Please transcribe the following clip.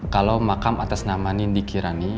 kalau makam atas nama nindikirani